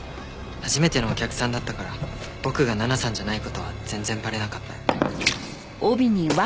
初めてのお客さんだったから僕が奈々さんじゃない事は全然バレなかった。